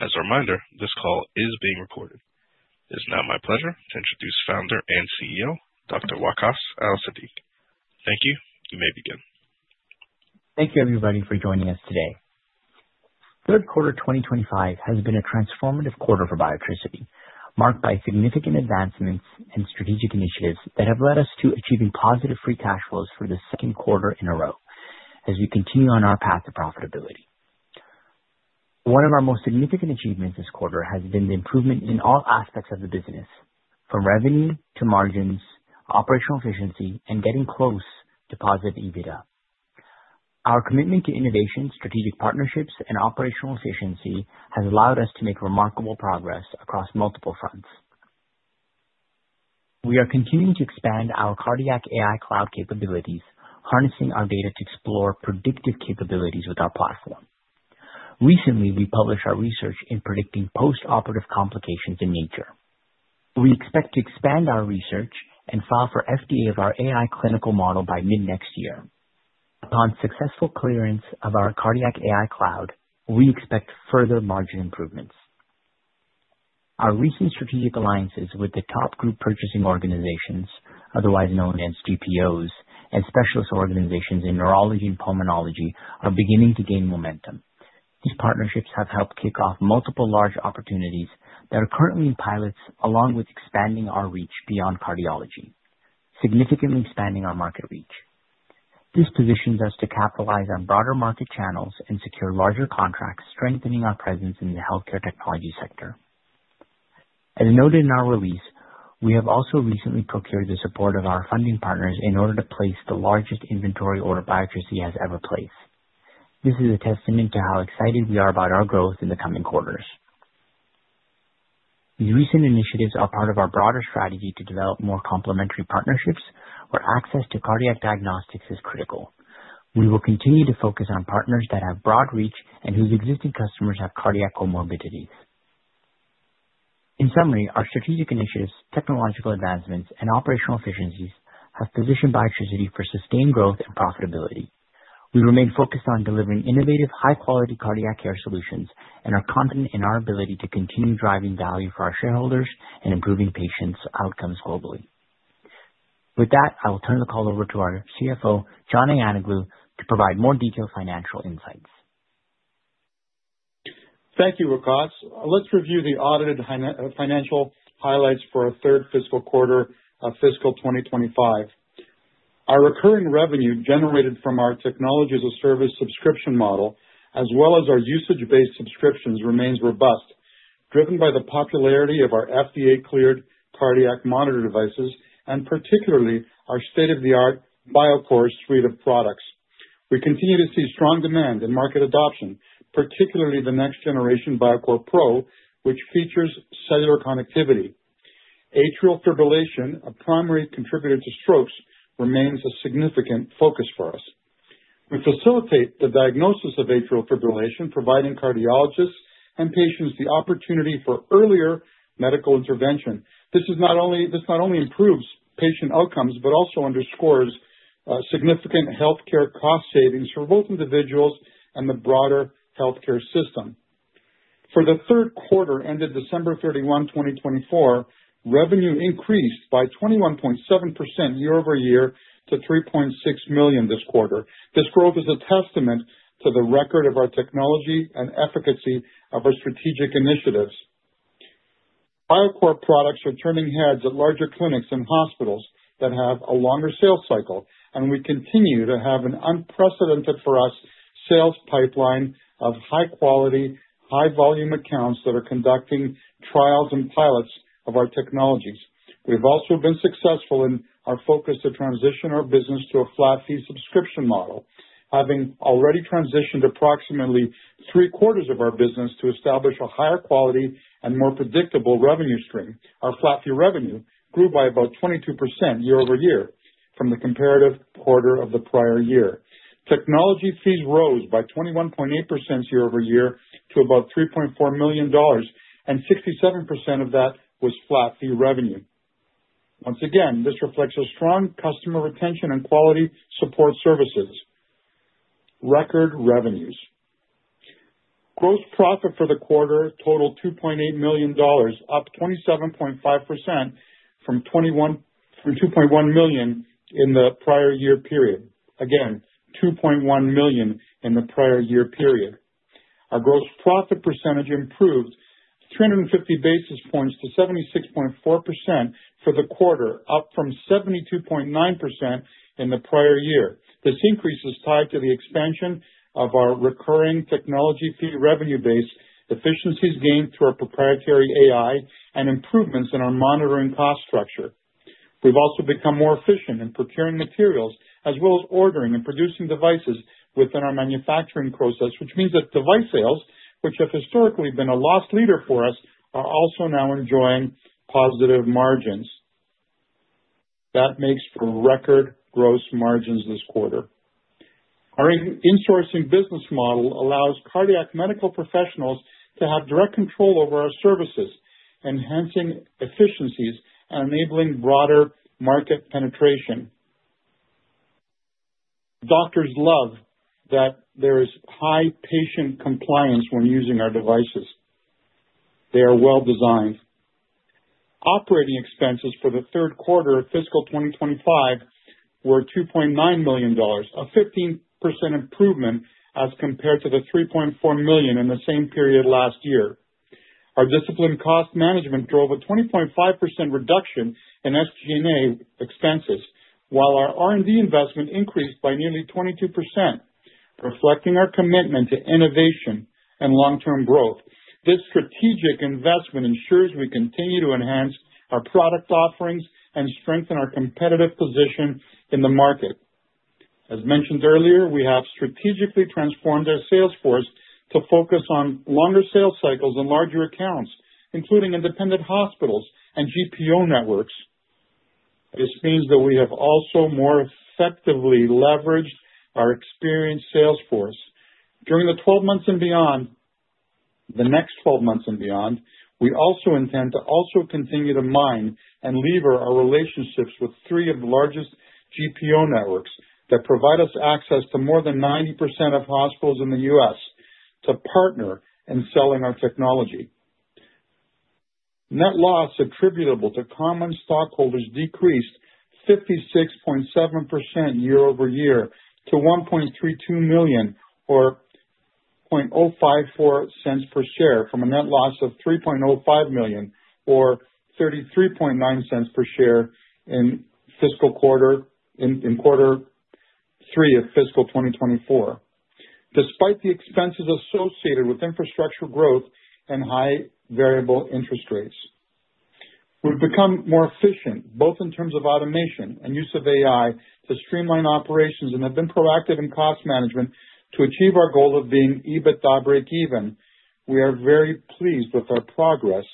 As a reminder, this call is being recorded. It is now my pleasure to introduce Founder and CEO, Dr. Waqaas Al-Siddiq. Thank you. You may begin. Thank you, everybody, for joining us today. Third quarter 2025 has been a transformative quarter for Biotricity, marked by significant advancements and strategic initiatives that have led us to achieving positive free cash flows for the second quarter in a row as we continue on our path to profitability. One of our most significant achievements this quarter has been the improvement in all aspects of the business, from revenue to margins, operational efficiency, and getting close to positive EBITDA. Our commitment to innovation, strategic partnerships, and operational efficiency has allowed us to make remarkable progress across multiple fronts. We are continuing to expand our Cardiac AI Cloud capabilities, harnessing our data to explore predictive capabilities with our platform. Recently, we published our research in predicting post-operative complications in Nature. We expect to expand our research and file for FDA of our AI clinical model by mid-next year. Upon successful clearance of our Cardiac AI Cloud, we expect further margin improvements. Our recent strategic alliances with the top group purchasing organizations, otherwise known as GPOs, and specialist organizations in neurology and pulmonology are beginning to gain momentum. These partnerships have helped kick off multiple large opportunities that are currently in pilots, along with expanding our reach beyond cardiology, significantly expanding our market reach. This positions us to capitalize on broader market channels and secure larger contracts, strengthening our presence in the healthcare technology sector. As noted in our release, we have also recently procured the support of our funding partners in order to place the largest inventory order Biotricity has ever placed. This is a testament to how excited we are about our growth in the coming quarters. These recent initiatives are part of our broader strategy to develop more complementary partnerships where access to cardiac diagnostics is critical. We will continue to focus on partners that have broad reach and whose existing customers have cardiac comorbidities. In summary, our strategic initiatives, technological advancements, and operational efficiencies have positioned Biotricity for sustained growth and profitability. We remain focused on delivering innovative, high-quality cardiac care solutions and are confident in our ability to continue driving value for our shareholders and improving patients' outcomes globally. With that, I will turn the call over to our CFO, John Ayanoglou, to provide more detailed financial insights. Thank you, Waqaas. Let's review the audited financial highlights for our third fiscal quarter of fiscal 2025. Our recurring revenue generated from our technology-as-a-service subscription model, as well as our usage-based subscriptions, remains robust, driven by the popularity of our FDA-cleared cardiac monitor devices and particularly our state-of-the-art Biocore suite of products. We continue to see strong demand and market adoption, particularly the next-generation Biocore Pro, which features cellular connectivity. Atrial fibrillation, a primary contributor to strokes, remains a significant focus for us. We facilitate the diagnosis of atrial fibrillation, providing cardiologists and patients the opportunity for earlier medical intervention. This not only improves patient outcomes but also underscores significant healthcare cost savings for both individuals and the broader healthcare system. For the third quarter ended December 31, 2024, revenue increased by 21.7% year-over-year to $3.6 million this quarter. This growth is a testament to the record of our technology and efficacy of our strategic initiatives. Biocore products are turning heads at larger clinics and hospitals that have a longer sales cycle, and we continue to have an unprecedented for us sales pipeline of high-quality, high-volume accounts that are conducting trials and pilots of our technologies. We have also been successful in our focus to transition our business to a flat-fee subscription model, having already transitioned approximately three-quarters of our business to establish a higher quality and more predictable revenue stream. Our flat-fee revenue grew by about 22% year-over-year from the comparative quarter of the prior year. Technology fees rose by 21.8% year-over-year to about $3.4 million, and 67% of that was flat-fee revenue. Once again, this reflects a strong customer retention and quality support services. Record revenues. Gross profit for the quarter totaled $2.8 million, up 27.5% from $2.1 million in the prior year period. Again, $2.1 million in the prior year period. Our gross profit percentage improved 350 basis points to 76.4% for the quarter, up from 72.9% in the prior year. This increase is tied to the expansion of our recurring technology fee revenue base, efficiencies gained through our proprietary AI, and improvements in our monitoring cost structure. We've also become more efficient in procuring materials, as well as ordering and producing devices within our manufacturing process, which means that device sales, which have historically been a loss leader for us, are also now enjoying positive margins. That makes for record gross margins this quarter. Our insourcing business model allows cardiac medical professionals to have direct control over our services, enhancing efficiencies and enabling broader market penetration. Doctors love that there is high patient compliance when using our devices. They are well designed. Operating expenses for the third quarter of fiscal 2025 were $2.9 million, a 15% improvement as compared to the $3.4 million in the same period last year. Our disciplined cost management drove a 20.5% reduction in SG&A expenses, while our R&D investment increased by nearly 22%, reflecting our commitment to innovation and long-term growth. This strategic investment ensures we continue to enhance our product offerings and strengthen our competitive position in the market. As mentioned earlier, we have strategically transformed our sales force to focus on longer sales cycles and larger accounts, including independent hospitals and GPO networks. This means that we have also more effectively leveraged our experienced sales force. During the 12 months and beyond, the next 12 months and beyond, we also intend to also continue to mine and lever our relationships with three of the largest GPO networks that provide us access to more than 90% of hospitals in the U.S. to partner in selling our technology. Net loss attributable to common stockholders decreased 56.7% year-over-year to $1.32 million or $0.054 per share from a net loss of $3.05 million or $33.9 per share in quarter three of fiscal 2024, despite the expenses associated with infrastructure growth and high variable interest rates. We've become more efficient, both in terms of automation and use of AI, to streamline operations and have been proactive in cost management to achieve our goal of being EBITDA break-even. We are very pleased with our progress.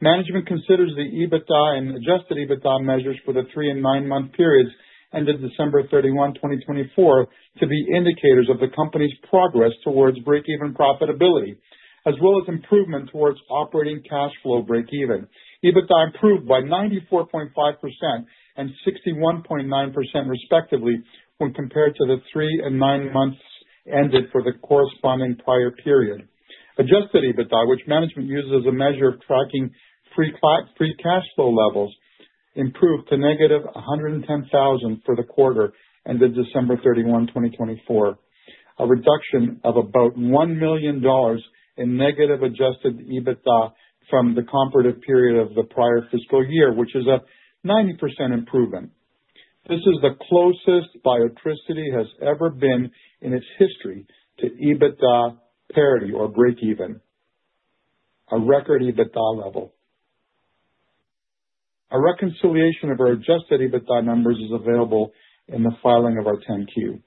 Management considers the EBITDA and adjusted EBITDA measures for the three and nine-month periods ended December 31, 2024, to be indicators of the company's progress towards break-even profitability, as well as improvement towards operating cash flow break-even. EBITDA improved by 94.5% and 61.9%, respectively, when compared to the three and nine months ended for the corresponding prior period. Adjusted EBITDA, which management uses as a measure of tracking free cash flow levels, improved to -110,000 for the quarter ended December 31, 2024, a reduction of about $1 million in negative adjusted EBITDA from the comparative period of the prior fiscal year, which is a 90% improvement. This is the closest Biotricity has ever been in its history to EBITDA parity or break-even, a record EBITDA level. A reconciliation of our adjusted EBITDA numbers is available in the filing of our 10-Q.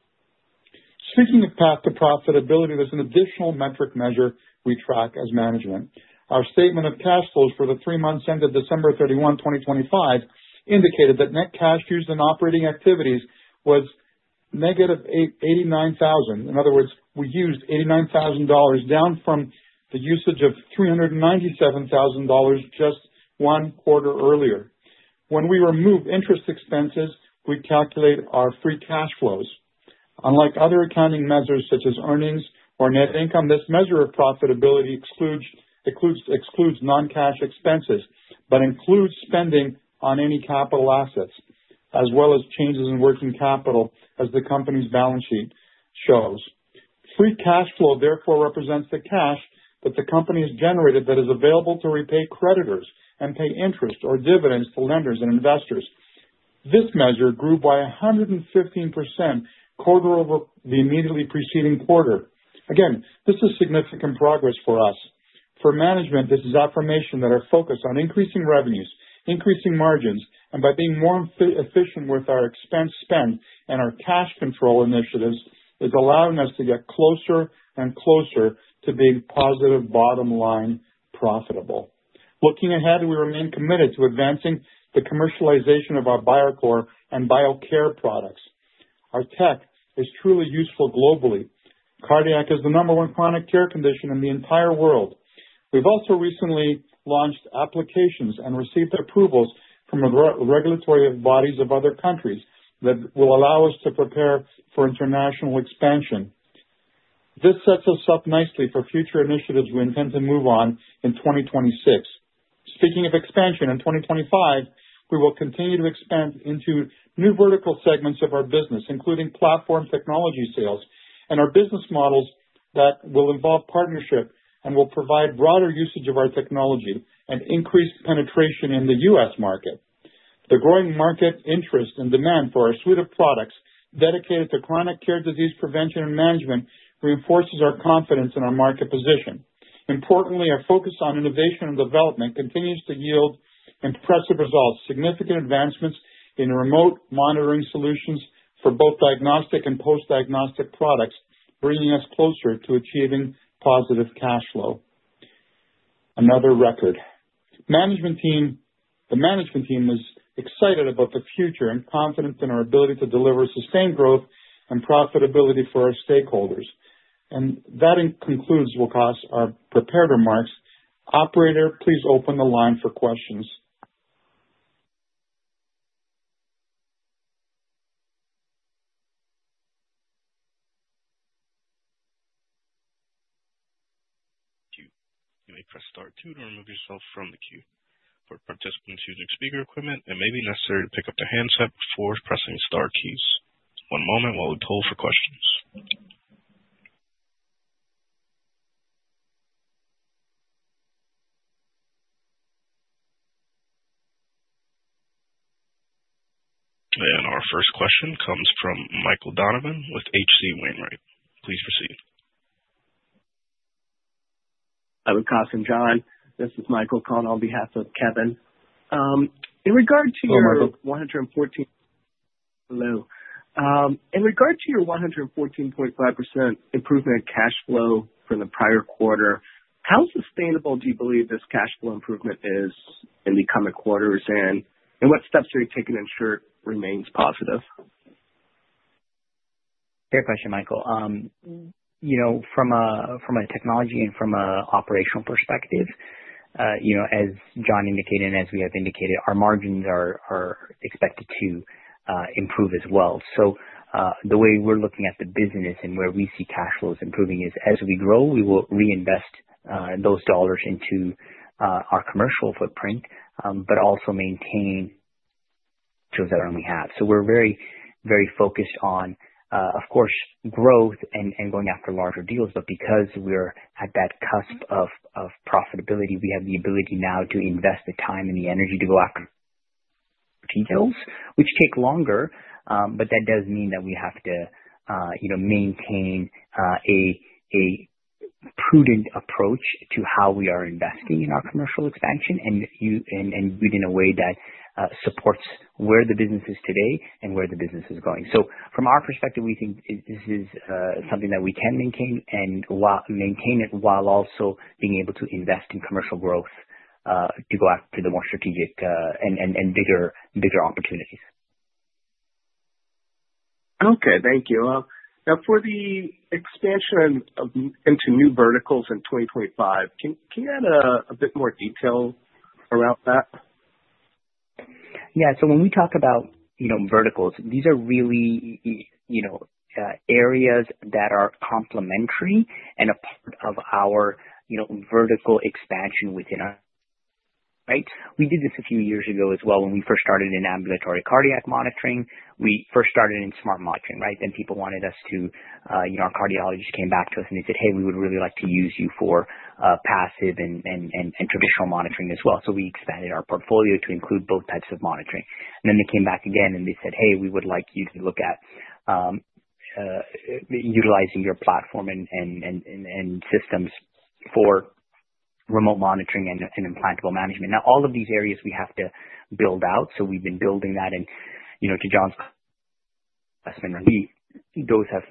Speaking of path to profitability, there's an additional metric measure we track as management. Our statement of cash flows for the three months ended December 31, 2025, indicated that net cash used in operating activities was -89,000. In other words, we used $89,000, down from the usage of $397,000 just one quarter earlier. When we remove interest expenses, we calculate our free cash flows. Unlike other accounting measures such as earnings or net income, this measure of profitability excludes non-cash expenses but includes spending on any capital assets, as well as changes in working capital, as the company's balance sheet shows. Free cash flow, therefore, represents the cash that the company has generated that is available to repay creditors and pay interest or dividends to lenders and investors. This measure grew by 115% quarter over the immediately preceding quarter. Again, this is significant progress for us. For management, this is affirmation that our focus on increasing revenues, increasing margins, and by being more efficient with our expense spend and our cash control initiatives is allowing us to get closer and closer to being positive bottom line profitable. Looking ahead, we remain committed to advancing the commercialization of our Biocore and Biocare products. Our tech is truly useful globally. Cardiac is the number one chronic care condition in the entire world. We've also recently launched applications and received approvals from regulatory bodies of other countries that will allow us to prepare for international expansion. This sets us up nicely for future initiatives we intend to move on in 2026. Speaking of expansion, in 2025, we will continue to expand into new vertical segments of our business, including platform technology sales and our business models that will involve partnership and will provide broader usage of our technology and increased penetration in the U.S. market. The growing market interest and demand for our suite of products dedicated to chronic care disease prevention and management reinforces our confidence in our market position. Importantly, our focus on innovation and development continues to yield impressive results, significant advancements in remote monitoring solutions for both diagnostic and post-diagnostic products, bringing us closer to achieving positive cash flow. Another record. The management team is excited about the future and confident in our ability to deliver sustained growth and profitability for our stakeholders. That concludes, Waqaas, our prepared remarks. Operator, please open the line for questions. Thank you. You may press star two to remove yourself from the queue. For participants using speaker equipment, it may be necessary to pick up the handset before pressing star keys. One moment while we poll for questions. Our first question comes from Michael Donovan with H.C. Wainwright. Please proceed. Hi, Waqaas and John. This is Michael calling on behalf of Kevin. In regard to your. Hello, Michael. Hello. In regard to your 114.5% improvement in cash flow from the prior quarter, how sustainable do you believe this cash flow improvement is in the coming quarters, and what steps are you taking to ensure it remains positive? Fair question, Michael. From a technology and from an operational perspective, as John indicated and as we have indicated, our margins are expected to improve as well. The way we're looking at the business and where we see cash flows improving is, as we grow, we will reinvest those dollars into our commercial footprint but also maintain the tools that we already have. We're very, very focused on, of course, growth and going after larger deals. Because we're at that cusp of profitability, we have the ability now to invest the time and the energy to go after deals, which take longer. That does mean that we have to maintain a prudent approach to how we are investing in our commercial expansion and do it in a way that supports where the business is today and where the business is going. From our perspective, we think this is something that we can maintain and maintain it while also being able to invest in commercial growth to go after the more strategic and bigger opportunities. Okay. Thank you. Now, for the expansion into new verticals in 2025, can you add a bit more detail around that? Yeah. When we talk about verticals, these are really areas that are complementary and a part of our vertical expansion within our company. Right? We did this a few years ago as well when we first started in ambulatory cardiac monitoring. We first started in smart monitoring, right? Then people wanted us to—our cardiologists came back to us and they said, "Hey, we would really like to use you for passive and traditional monitoring as well." We expanded our portfolio to include both types of monitoring. They came back again and they said, "Hey, we would like you to look at utilizing your platform and systems for remote monitoring and implantable management." All of these areas we have to build out. We have been building that. To John's question, those have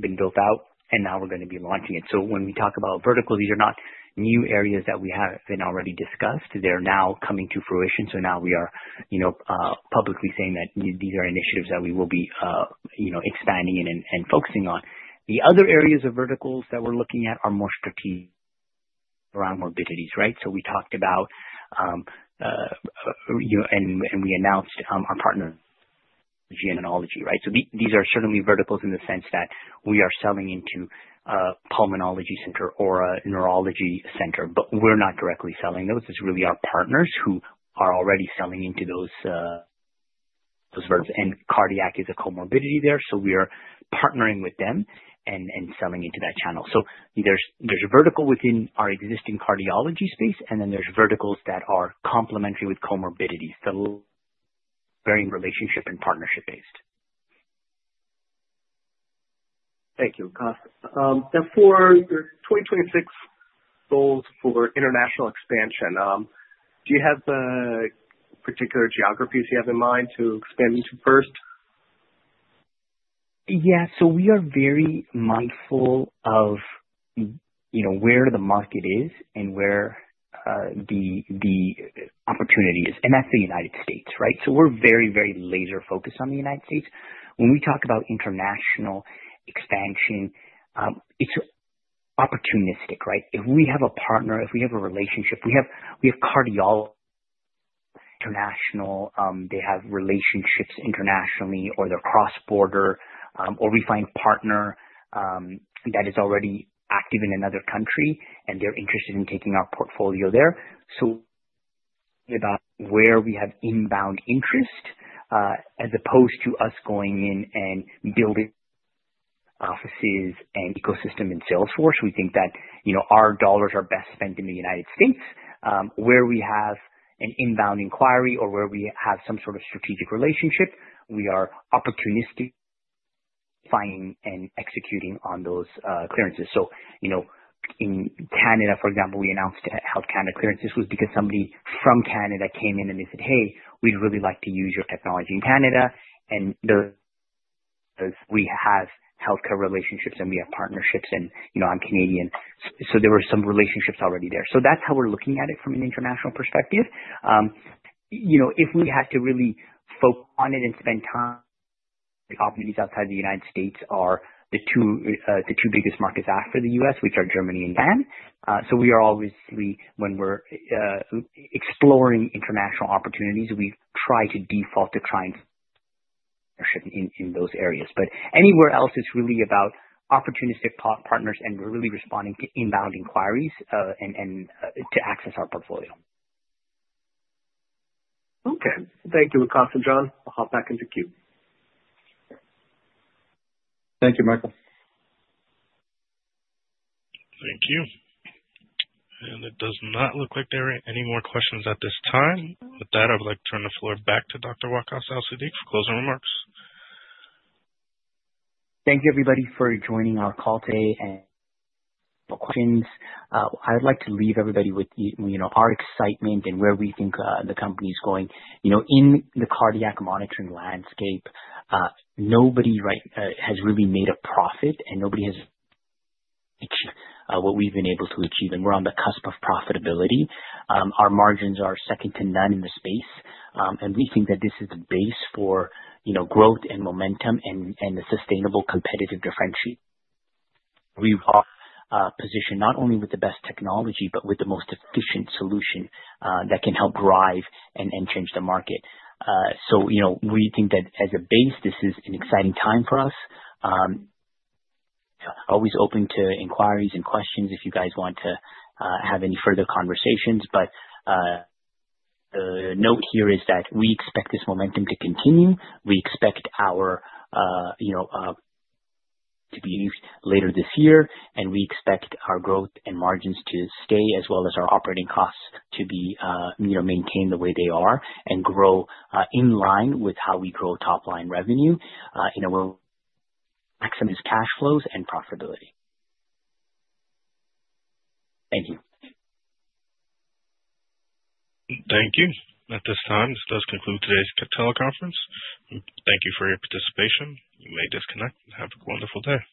been built out, and now we're going to be launching it. When we talk about verticals, these are not new areas that we have already discussed. They're now coming to fruition. Now we are publicly saying that these are initiatives that we will be expanding and focusing on. The other areas of verticals that we're looking at are more strategic around morbidities, right? We talked about and we announced our partner, Genealogy, right? These are certainly verticals in the sense that we are selling into a pulmonology center or a neurology center, but we're not directly selling those. It's really our partners who are already selling into those verticals. Cardiac is a comorbidity there, so we are partnering with them and selling into that channel. There's a vertical within our existing cardiology space, and then there's verticals that are complementary with comorbidities. Very relationship and partnership-based. Thank you, Waqaas. Now, for your 2026 goals for international expansion, do you have the particular geographies you have in mind to expand into first? Yeah. We are very mindful of where the market is and where the opportunity is. That is the United States, right? We are very, very laser-focused on the United States. When we talk about international expansion, it is opportunistic, right? If we have a partner, if we have a relationship, we have cardiologists international. They have relationships internationally, or they are cross-border, or we find a partner that is already active in another country, and they are interested in taking our portfolio there. We think about where we have inbound interest as opposed to us going in and building offices and ecosystem in sales force. We think that our dollars are best spent in the United States. Where we have an inbound inquiry or where we have some sort of strategic relationship, we are opportunistically finding and executing on those clearances. In Canada, for example, we announced Health Canada clearances. It was because somebody from Canada came in and they said, "Hey, we'd really like to use your technology in Canada." We have healthcare relationships, and we have partnerships, and I'm Canadian. There were some relationships already there. That is how we're looking at it from an international perspective. If we had to really focus on it and spend time, the opportunities outside the United States are the two biggest markets after the U.S., which are Germany and Japan. We are obviously, when we're exploring international opportunities, trying to default to clients in those areas. Anywhere else, it's really about opportunistic partners and really responding to inbound inquiries and to access our portfolio. Okay. Thank you, Waqaas and John. I'll hop back into queue. Thank you, Michael. Thank you. It does not look like there are any more questions at this time. With that, I would like to turn the floor back to Dr. Waqaas Al-Siddiq for closing remarks. Thank you, everybody, for joining our call today and for questions. I would like to leave everybody with our excitement and where we think the company is going. In the cardiac monitoring landscape, nobody has really made a profit, and nobody has achieved what we've been able to achieve. We're on the cusp of profitability. Our margins are second to none in the space, and we think that this is the base for growth and momentum and the sustainable competitive differentiate. We are positioned not only with the best technology but with the most efficient solution that can help drive and change the market. We think that as a base, this is an exciting time for us. Always open to inquiries and questions if you guys want to have any further conversations. The note here is that we expect this momentum to continue. We expect our to be used later this year, and we expect our growth and margins to stay, as well as our operating costs to be maintained the way they are and grow in line with how we grow top-line revenue in a way that maximizes cash flows and profitability. Thank you. Thank you. At this time, this does conclude today's teleconference. Thank you for your participation. You may disconnect and have a wonderful day.